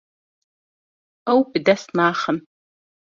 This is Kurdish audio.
Ew bi dest naxin.